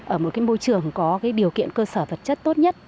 ở một môi trường có điều kiện cơ sở vật chất tốt nhất